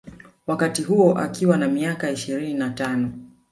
Wakati huo akiwa na miaka ishirini na tano